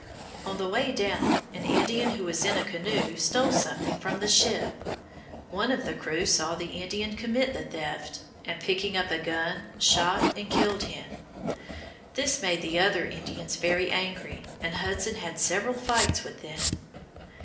On the way down, an Indian who was in a canoe stole something from the ship. One of the crew saw the Indian commit the theft, and, picking up a gun, shot and killed him. This made the other Indians very angry, and Hudson had several fights with them.